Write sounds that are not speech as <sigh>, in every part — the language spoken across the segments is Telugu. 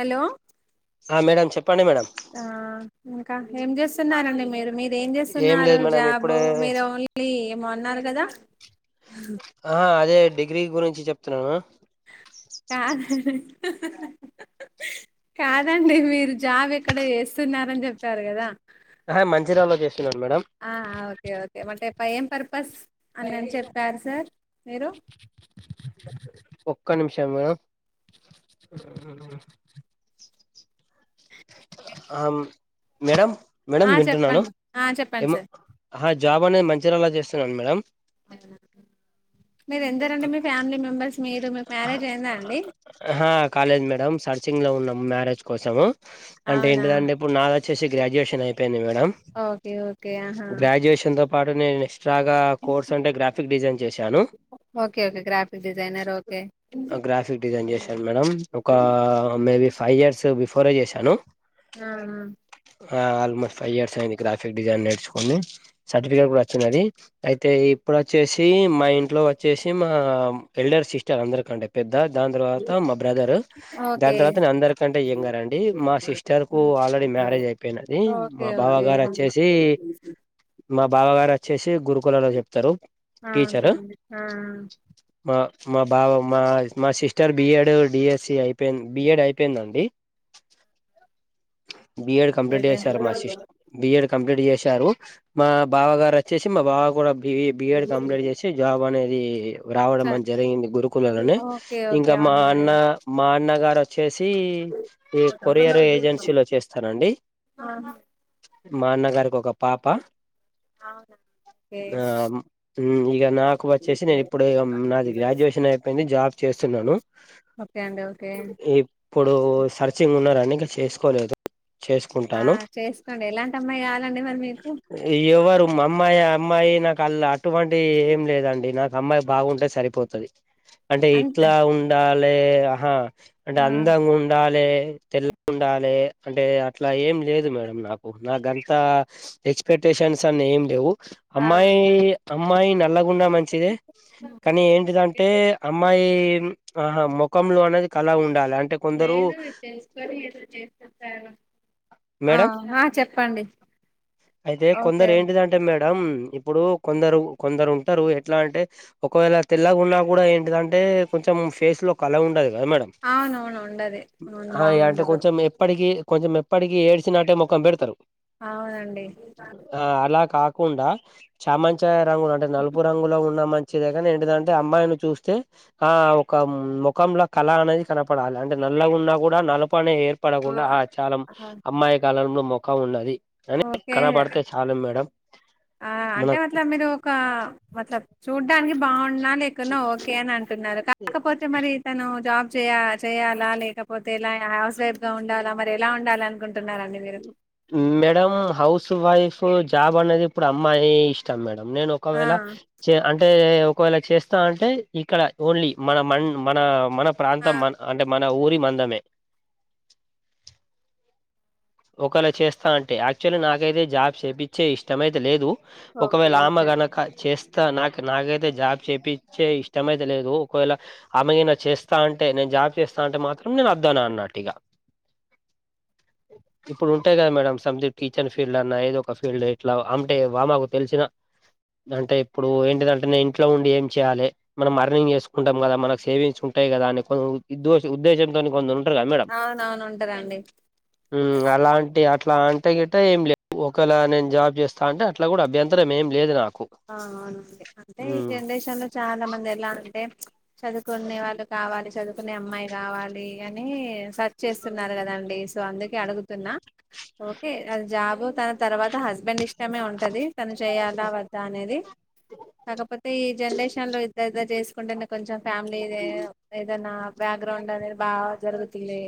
హలో ఆ మేడం చెప్పండి మేడం ఆ ఇంకా ఏం చేస్తున్నరండి మీరు మీ ఏం చేస్తున్నారు లేదు మేడం జాబు ఇప్పుడే మీరు ఓన్లీ ఏమోన్నారు కదా! ఆ అదే డిగ్రీ గురించి చెప్తున్నాను కాద కాదండి మీరు జాబ్ ఎక్కడ చేస్తున్నారని చెప్పారు కదా ఆహా మంచిర్యాలలో చేస్తున్నాను మేడం ప ఏం పర్పస్ అనిని చెప్పారు సార్ మీరు ఒక్క నిమిషం మే ఆమ్ మేడమ్ మేడం ఆ వింటున్నాను చెప్పండి ఆ చెప్పండి ఏమో సార్ జాబ్ ఆహా అనేది మంచిర్లా చేస్తున్నాను మేడం మీరు ఎందరండి? మీ ఫ్యామిలీ మెంబెర్స్ మీరు మీకు మ్యారేజ్ అయిందా అండి. ఆ కాలేద్ మేడమ్ సర్చింగ్ లో ఉన్నాం మ్యారేజ్ కోసం అంటే అవునా ఏంటిదంటే ఇప్పుడు నాది వచ్చేసి గ్రాడ్యుయేషన్ అయిపోయింది. మేడం ఓకే ఓకే ఆహా గ్రాడ్యుయేషన్ తో పాటు నేను నెస్ ఎస్ట్రాగా కోర్స్ అంటే గ్రాఫిక్ డిజైన్ చేశాను okay okay graphic designer okay graphic design చేశాను మేడం ఒక మేబి ఫైవ్ ఇయర్స్ బిఫోరే చేశాను ఆ ఆ ఆ ఆల్మోస్ట్ ఫైవ్ ఇయర్స్ అయింది గ్రాఫిక్ డిజైన్ నేర్చుకోని సర్టిఫికేట్ కూడా వచ్చినది అయితే ఈ ఇప్పుడుచ్చేసి మా ఇంట్లో వచ్చేసి మా ఎల్డర్ సిస్టర్ అందరికంటే పెద్ దాని తర్వాత మా బ్రదర్ ఓకే దాని తర్వాత నేన్ అందరికంటే యాంగర్ అండి మా సిస్ అక్కకు ఆల్రెడీ మ్యారేజ్ అయిపోయింది అండి ఓకే మా బావా ఓకే గారు వచ్చేసి అవునండి మా బావ గారు వచ్చేసి గురుకులలో చెప్తారు టీచరు ఆ మా మా బావ మా మా sister B Ed D SC అయిపోయింది బి ఎడ్ అయిపోయిందండి బి ఎడ్ కంప్లీట్ ఓకే చేసారు మా సిస్ బి ఎడ్ కంప్లీట్ చేశారు మా బావ గారు వచ్చేసి మా బావ కూడా బి బి ఎడ్ కంప్లీట్ చేసి జాబ్ అనే అది చ రావడం అని జరిగింది. గురుకులలోనే ఓకే ఓకే ఇంకా మా అవునండి అన్న మా అన్న గారు వచ్చేసి ఇ కొరియర్ ఏజెన్సీలో చేస్తారు అండి ఆ, అవునా మా అన్నగారికి ఒక పాప అవునా అండి ఇగా నాకు వచ్చేసి నేను ఇప్పుడు నాది ఓకే గ్రాడ్యుయేషన్ అయిపోయింది. జాబ్ చేస్తున్నాను ఓకే అండి ఓకే ఇప్పుడు సర్చింగ్ లో ఉన్నార అండి ఇంక చేసుకోలేదు ఆ చేసుకుంటాను చేసుకోండి ఎలాంటి అమ్మాయి కావాలండి మరి మీకు ఎవరు మా అమ్మాయి అమ్మాయి నాకు అళ్ళ అటువంటి ఏం లేదండి నాకు అమ్మాయి బాగుంటే సరిపోతది అంటే అంతే ఇట్లా ఉండాలే ఆహా అంటే ఆ అందంగా ఉండాలే తెల్లగా ఉండాలే అంటే అట్లా ఏం లేదు మేడం నాకు నాగంత ఎక్స్పెక్టేషన్ న్స్ అని ఏం లేవు ఆ అమ్మాయి అమ్మాయి నల్లగున్న మంచిదే కానీ ఏంటిదంటే అమ్మాయి ఆహా మోఖంలో అనేది కలా ఉండాలే అంటే కొందరు లేదు ఇది ఆ మేడం ఆ చెప్పండి అయితే ఓకే కొందరు ఏంటిదంటే మే మేడం ఇప్పుడు కొందరు కొందరు ఉంటారు ఎట్లా అంటే ఒకవేళ తెల్లగున్నా కూడా ఏంటి దాంటే అంటే కొంచెం ఫేస్ లో కల ఉండది అవునవును ఉండది అవును అ అంటే ఇగ బాగుండదు కొంచెం ఎప్పటికిీ కొంచెం ఎప్పటికిీ ఏడ్సినట్టే మొఖం పెడతారు అవునండి కుండా చామనచ్చయ రంగులు అంటే నలుపు రంగులో ఉన్న మం వచ్చేద కాని ఏంటి దాంటే అమ్మాయిని చూస్తే ఆ ఒక ముఖంల కళ అనేది కనపడాలి అంటే నా నల్లగున్నా కూడా నలపనే ఏర్పడకుండా ఆ ఓహ్! చాల ఆహా! అమ్మాయి కాల లో మొఖం ఉన్నది కానీ ఓకే కనపడతే చాలు మేడం ఆ అంటే మనకు అట్లా మీరు ఒక వాట్ల చూడ్ చూడడానికి బాగున్నా లేకున్నా ఓకే అని అంటున్నారు కాకపోతే మరి తను జాబ్ చేయ చేయాలా లేకపోతే ఎలా హౌస్ వైఫ్ గా ఉండాలా మరి ఎలా ఉండాలి అనుకుం మేడం హౌస్ వైఫ్ జాబ్ అనేది ఇప్పుడు అమ్మాయి ఇష్టం మేడం నేను ఆ ఒకవేళ అంటే ఒకవేళ చేస్తా అంటే ఇక్కడ ఓన్లీ మన మ మన మన ఆ! ప్రాంతం మన అంటే మన ఊరి మందమే ఒకేళ చేస్తా అంటే యాక్చువల్లీ నాకైతే జాబ్ చేపించే ఇష్టమైతే లేదు ఓకే ఒకవేళ ఆమె ఓకే గనక చేస్ స్త నా నాకైతే జాబ్ చేపీచ్చే ఇష్టమైతే లేదు ఒకవేళ ఆమెగనా చేస్తా అంటే నేను జాబ్ చేస్తా అంటే మాత్రం నేను అద్దు అన అన్నట్టు ఇగ ఇప్పుడు ఉంటాయి కదా మేడం సమ్థింగ్ టీచర్ ఫీల్డ్ అన్నా ఏదో ఒక ఫీల్డ్ ఎట్లా అంటే ఆమెకు తెలిసినా అంటే ఇప్పుడు ఏంటి దాంటే నేను ఇంట్లో ఉండి ఏం చేయాలి మనం అర్నింగ్ చేసుకుంటాం కదా మన సేవింగ్స్ ఉంటాయి కదా అని కొం ఉద్దేశంతో ఉద్దేశంతో నీ కొందరు ఉంటారు కదా మేడం అవునవును ఉంటరండి ఉమ్ అలాంటి అట్లా అంటే గిట ఏం లేవు ఒకేలా నేను జాబ్ చేస్తా అంటే అట్లా కూడా అభ్యంతరమేం ఏం లేదు నాకు. అవునండి అంటే ఈ జనరేషన్లో చాలా మంది ఎలా అంటే. చదువుకునే వాళ్ళు కావాలి చదువుకునే అమ్మాయి కావాలి అని సర్చ్ చేస్తున్నారు కదా. సో అందుకే అడుగుతున్నా ఓకే ఆహ్ జాబ్ తన తర్వాత హస్బండ్ ఇష్. ఇష్టమే ఉంటది తను చేయాలా వద్దా అనేది కాకపోతే. ఈ జనరేషన్ లో ఇద్దరు ఇద్దరు చేసుకుంటేనే కొంచెం ఫ్యామిలీ ఏదైనా ఏదన్నా. బ్యాక్గ్రౌండ్ అనేది బాగా జరుగుతుంది.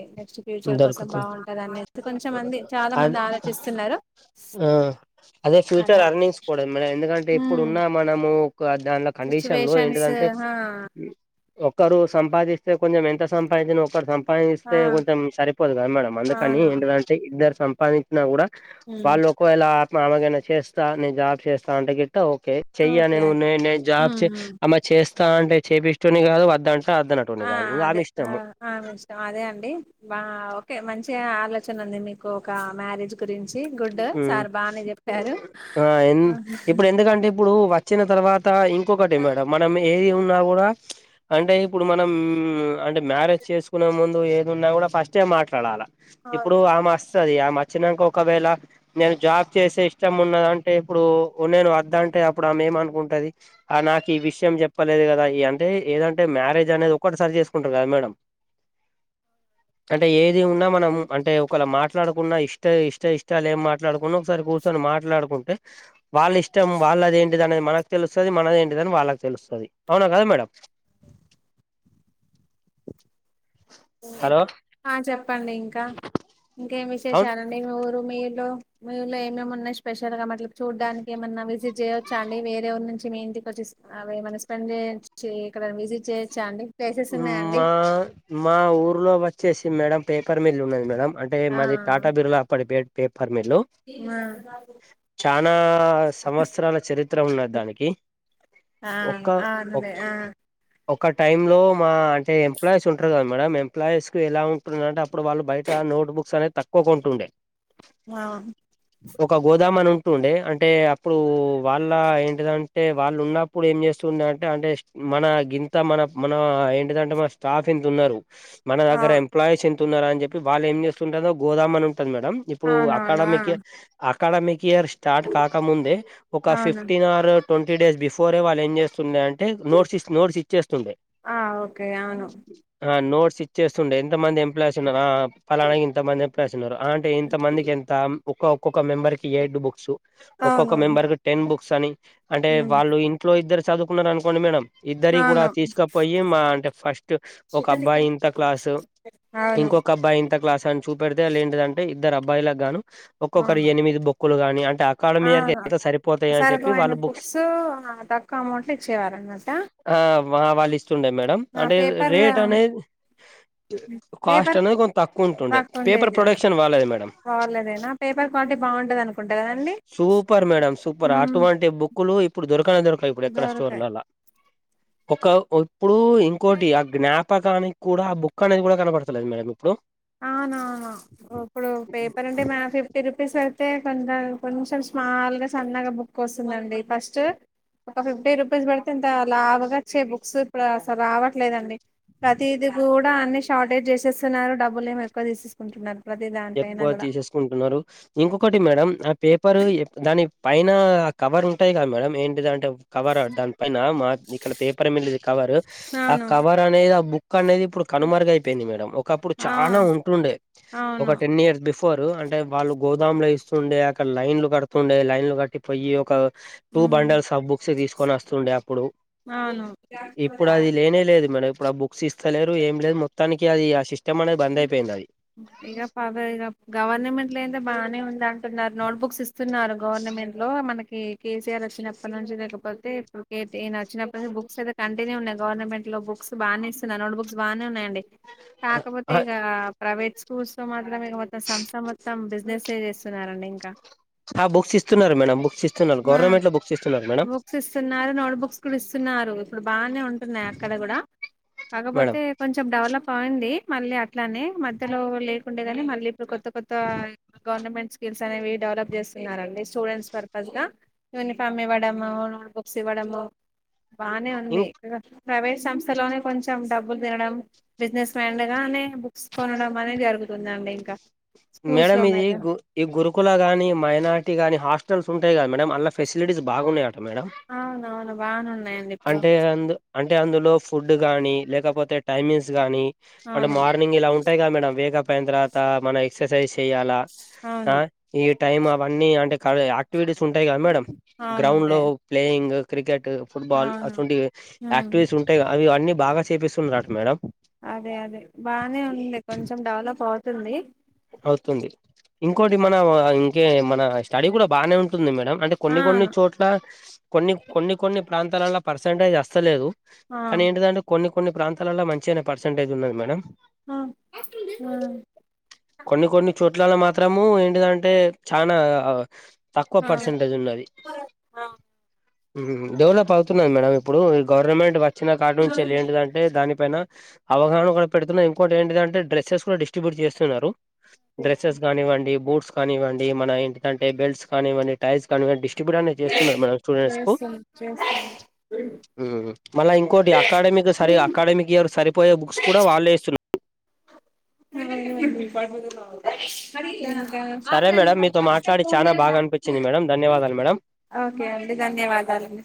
ఫ్యూచర్ కోసం దొరుకుతు బాగుంటంది అనేసి కొంచమంది చాలా అది మంది ఆలోచిస్తున్నారు. ఆ అదే ఫ్యూచర్ అలా అన్ని చూసుకోవాలి మేడం ఎందుకంటే ఉమ్, ఇప్పుడున్న మనము. ఒక దానిలా కండిషన్ లో సిచ్యువేషన్స్ ఏంటిదంటే ఒకరు సంపాదిస్త. అయితే కొంచెం ఎంత సంపాదించిన ఒకరు ఆ సంపాదిస్తే కొంచెం సరిపోదు కదా మేడం అందుకని అవును ఏంటిదంటే. ఇద్దరు సంపాదించినా కూడా హ్మ్. వాళ్ళు ఒకవేళ ఆమెగైనా చేస్తా నేను జాబ్ చేస్తా అంటేగి. ఓకే చెయ్య ఓకే నేను అదే నేను జాబ్ హ్మ్. చే హ్మ్. అమ్మా చేస్తా అంటే చేపిస్టోని కాదు వద్దంటే. వద్దనటుని కాదు ఆహ్ ఇంకా అదే ఆమె ఇష్టం ఆహ్ ఇష్టం అదే అండి బా ఆహ్. ఓకే మంచిగా ఆలోచన ఉంది మీకు ఒక మ్యారేజ్ గురించి. గుడ్ ఉమ్ సార్ బానే చెప్పారు ఆహ్ ఆ ఇప్పుడు ఎందుకంటే. ఇప్పుడు వచ్చిన తర్వాత ఇంకొకటి మేడం మనం. ఏది ఉన్నా కూడా ప్చ్ అంటే ఇప్పుడు మనం అంటే మ్యారేజ్ చేసుకునే ముందు ఏది ఉన్నా కూడా. ఫస్ట్యే మాట్లాడాలి ఇప్పుడు అవును. ఆమె వస్తది ఆమె వచ్చినాక ఒకవేళ. నేను జాబ్ చేసే ఇష్టం ఉన్నది అంటే ఇప్పుడు నేను వద్ద అంటే అప్పుడు ఆమె ఏమనుకుంటది. ఆహ్ నాకు ఈ విషయం చెప్పలేదు కదా ఈ అంటే ఏదంటే మ్యారేజ్ అనేది ఒకటేసారి చేసుకుంటారు కదా మేడం. <inaudible> అంటే ఏది ఉన్నా మనం అంటే ఒకవేళ మాట్లాడుకున్నా ఇష్ట ఇష్ట ఇష్ట. ఇష్టాలు ఏం మాట్లాడుకున్న ఒకసారి కూర్చొని మాట్లాడుకుంటే వాళ్ళా ఇష్టం వాళ్ళది ఏంటిది అనేది మనకు తెలుస్తది. మనది ఏంటిదని వాళ్ళకి తెలుస్తది అవునా కదా మేడం. <inaudible> హలో ఆహ్ చెప్పండి ఇంకా ఇంకేం అవును విశేషాలండి మీ ఉర్. మీ ఊర్లో మీ ఊర్లో ఏమేమిన్నాయి స్పెషల్ గా మ చూడ్డానికి ఏమన్నా విజిట్ చేయొచ్చా అండి వేరే నుంచి మీ ఇంటికి వచ్చి ఆహ్ అవి ఏమన్నా స్పెడ్ చేయొచ్చ ఇక్కడ విజిట్ చేయొచ్చు మా మా ఊర్. ఊర్లో వచ్చేసి మేడం పేపర్ మిల్ ఉన్నది మేడం అంటే ఆ మాది టాటా బిర్లా అప్పటి పే పర్ మిల్లు. ఆ! చాన సంవత్సరాల చరిత్ర ఉన్నది దానికి. ఆ ఒక్క అవునులే ఒక్. ఆ టైంలో మా అంటే ఎంప్లాయీస్ ఉంటారు కదా మేడం ఎంప్లాయీస్కి ఎలా ఉంటుందంటే అప్పుడు వాళ్ళు బయట నోట్ బుక్. బుక్స్ అనేది తక్కువ కొంటుండే. ఆహ్. ఒక గోదాము అని ఉంటుండే అంటే అప్పుడు వాళ్ళా ఏంటిదంటే వాళ్ళు ఉన్నప్పుడు ఏం చేస్తు తుండంటే అంటే మన గిన్ మన మన ఏంటంటే మన స్టాఫ్ ఇంత ఉన్నారు మన దగ్గర ఎంప్లాయీస్ ఎంత. తున్నర అని చెప్పి వాళ్ళు ఏం చేస్తుంటందో గోదాము అని ఉంటది మేడం ఆ ఇప్పుడు అవునవును అకాడమీకి ఆ. అకాడమిక్ ఇయర్ స్టార్ట్ కాకముందే ఒక అవును ఫిఫ్టీన్ ఆర్. ట్వంటీ డేస్ బిఫోరే వాళ్ళు ఏం చేస్తుండే అంటే నోట్స్ ఇస్తు నోట్స్. చేస్తుండే. ఆ ఓకే అవును ఆ నోట్స్ ఇచ్చేస్తుండే ఎంత మంది ఎంప్లాయీస్ ఉన్నారు ఆ అ పలానాకి ఇంత మంది ఎంప్లాయస్ ఉన్నారు అంటే ఇంత మందికి ఎంత ఒక్క ఒక్కొక్క మెంబర్ కి ఎడు బుక్స్ ఒక్కొక్క అవును మెంబర్ కి టెన్ బుక్స్ అని అంటే ఉమ్, వాళ్ళు ఇంట్లో ఇద్దరు చదువుకున్నారు అనుకోండి మేడం ఇద్దరిఇ కూడా అవును తీసుకపోయి మా అంటే ఫస్ట్ ఒక అబ్బాయి ఇంత క్లాసు అవును ఇంకోకబ్బాయి ఇంత క్లాస్ తను చూపెడితే ఏంటిదంటే ఇద్దరు అబ్బాయిలకు గాను ఒక్కొక్కరు ఎనిమిది బుక్కులు గాని అం అహా సరిపోయే అన్ని బుక్స్ తక్కువ అమౌంట్లో ఇచ్చేవారన్నట్ట ఆ వ వాళ్ళు ఇస్తుండే మేడం అంటే పేపర్ రేట్ అనేది కాస్ట్ పేపర్ అనేది కొంత తక్కువ ఉంటుండే పేపర్ తక్కువుండేది ప్రొడక్షన్ వాళ్లదే మేడం బాలేదేనా పేపర్ క్వాలిటీ బాగుంటది అనుకుంటా కదండి సూపర్ మేడం సూపర్ ఉమ్, అటువంటి బుక్లు ఇప్పుడు దొరుకనే దొరుకయి ఇప్పుడు ఎక్కడ దొరకాయి స్టోర్లల్లా ఒక ఇప్పుడు ఇంకోటి ఆ జ్ఞాప్ ప్పకానికి కూడా అ బుక్ అనేది కూడా కనబడుతలేదు మేడం ఇప్పుడు అవునవును ఇప్పుడు పేపర్ అంటే మ ఫిఫ్టీ రూపీస్ పేడ్ తే కొ కొంచెం స్మాల్గా సన్నగా బుక్ వస్తుందండి ఫస్ట్ ఒక ఫిఫ్టీ రూపీస్ పెడితే ఇంత లావుగాచ్చే బుక్స్ ఇప్పుడు అసలు రావట్లేదండి ప్రతిదిీ కూడా అన్ని షార్టేజ్ చేసేస్తున్నారు డబ్బులు ఏమొ ఎక్కువ తీసేసుకుంటున్నారు ప్రతి దానిపైన ఎక్కువ కూడా తీసేసుకుంటున్నారు ఇంకొకటి మేడం ఆ పేపరు ఎక్ దాని పైన కవర్ ఉంటది కదా మేడం ఏంటిదంటే కవర్ దాని పైన మా ఇక్కడ పేపర్ మీద్ కవర్ ఆ అవును కవర్ అనేది ఆ బుక్ క్కనేది ఇప్పుడు కనుమరుగైపోయింది మేడం ఒక అప్పుడు ఆ చాలా ఉంటుండే ఒక అవును టెన్ ఇయర్స్ బిఫ్ ఫోరు అంటే వాళ్ళు గోదాముల ఇస్తుండే అక్కడ లైన్లు కడుతుండే లైన్లు కట్టి పోయి ఒక టూ ఉమ్ బండల్ ఆ బుక్స్ తీసుకొని వస్తుండే అప్పుడు అవును ఇప్పుడు అది లేనే లేదు మేడం ఇప్ ప్పుడు ఆ బుక్స్ ఇస్తలేరు ఏం లేదు మొత్తానికి అది ఆ సిస్టమ్ అనేది బంద్ అయిపోయింది అది అదే ఇగ గవర్నమెంట్ లో అయితే బాగానే ఉంది అంటున్నారు నోట్ బుక్స్ ఇస్తున్నారు గవర్నమెంట్ లో మనకి కేసీఆర్ వచ్చినప్పటి నుంచి లేకపోతే ఇప్పుడు యియన వచ్చినప్పటి నుంచి బుక్స్ అయితే కంటేనే ఉన్నది గవర్నమెంట్ లో బుక్స్ బానే ఇస్తున్నా నోట్ బుక్స్ బాగానే ఉన్నాయండి కాకపోతే ఇగ ప్రైవేట్ స్కూల్స్ మాత్రం ఇగ మొత్తం సంస్థ మొత్తం బిజినెస్ే చేస్తున్నారండి ఇంకా ఆ బుక్స్ ఇస్తున్నారు మేడం బుక్స్ ఇస్తున్నారు ఆ, గవర్నమెంట్ లో బుక్స్ ఇస్ బుక్స్ ఇస్తున్నారు నోట్ బుక్స్ కూడా ఇస్తున్నారు ఇప్పుడు బానే ఉంటున్నాయి అక్కడ కూడా మేడం కాకపోతే కొంచెం డెవలప్ పోయింది మళ్ళీ అట్లానే మధ్యలో లేకుండే గాని మళ్ళీ ఇప్పుడు కొత్త కొత్త గవర్నమెంట్ స్కిల్స్ అనేవి డెవలప్ చేస్తున్నారండి స్టూడెంట్స్ వర్ యూనిఫామ్ ఇవ్వడము నోట్బుక్స్ ఇవ్వడము బానే ఇం ఉంది ప్రైవేట్ సంస్థలోనే కొంచెం డబ్ బ్బులు తినడం బిజినెస్ మైండ్ గానే బుక్స్ కొనడం అనే జరుగుతుందండి ఇంకా స్కూల్స్ మేడం ఇది లోనైతే గు ఈ గురుకుల గాని మైనార్ ర్ట్ కానీ హాస్టల్స్ ఉంటాయి గ మేడం అల్ల ఫెసిలిటీస్ బాగున్నా ట మేడం అవునవును బానే ఉన్నాయండి ఇప్పుడు అంటే అందు అంటే అందులో ఫుడ్ గానీ లేకపోతే టైమింగ్స్ గానీ అంటే అవును మార్నింగ్ ఇలా ఉంటాయి కదా మేడం వేకపైన తర్వాత మన ఎక్సర్సైజ్ చెయ్యాలా ఆ అవును ఈ టైమ్ అవన్నీ అంటే క క్టివిటీస్ ఉంటాయి కదా మేడం గ్రౌండ్ లో అవునుంటాయి ప్లేయింగ్ క్రికె ట్ ఫుట్బాల్ అవును అటువంటి ఉమ్ యాక్టివిటీస్ ఉంటాయి అవి అన్నీ బాగా చేపిస్తున్నరట మేడం అదే అదే బానే ఉంది కొంచెం డెవలప్ అవుతుంది అవుతుంది ఇంకోటి మనం ఇంకే మన స్టడీ కూడా బానే ఉంటుంది మేడం అంటే కొన్ని కొన్ని అవును చోట్ల కొన్ని కొన్ని కొన్ని ప్రాంతాలలో పర్సంటేజ్ అస్తలేదు ఆ కానీ ఏంటిదంటే కొన్ని కొన్ని ప్రాంతాలల్లో మంచిగానే పర్సంటేజ్ ఉన్నది మేడం ఆ ఆ కొన్ని కొన్ని చోట్లలో మాత్రము ఏంటిదంటే చానా తక్కువ ఆ పర్సెంటేజ్ ఉన్నది ఆ డెవలప్ అవుతున్నాది మేడం ఇప్పుడు ఈ గవర్నమెంట్ వచ్చిన కాటి నుంచి ఎళ్ళి ఏంటిదంటే దాని పైన అవగాహన కూడా పెడుతున్నా ఇంకోకటి ఏంటిదంటే డ్రస్సెస్ కూడా డిస్ట్రిబ్యూట్ చేస్తున్నారు డ్రెస్సెస్ కానివ్వండి బూట్స్ కానివ్వండి మన ఏంటిదంటే బెల్ట్స్ కానివ్వండి టైల్స్ కానివ్వండి డి డిస్ట్రిబ్యూట్ అనేది చేస్తున్నారు మేడం స్టూడెంట్స్ కు స మళ్ళా ఇంకోటి అకాడమిక్ సరి అకాడమిక్ ఇయర్ కి సరిపోయే బుక్స్ కూడా వాళ్ళే ఇస్తున్నా సరే మేడం మీతో మాట్లాడి చానా బాగా అనిపించింది మేడం ధన్యవాదాలు మేడం ఓకే అండి ధన్యవాదాలండి